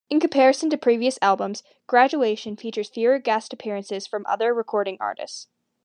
In comparison to previous albums, "Graduation" features fewer guest appearances from other recording artists.